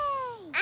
あ！